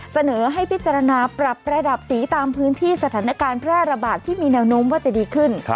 เสนอให้พิจารณาปรับระดับสีตามพื้นที่สถานการณ์แพร่ระบาดที่มีแนวโน้มว่าจะดีขึ้น